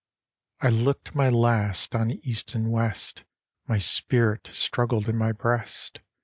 v. I looked my last on east and west ; My spirit struggled in my breast.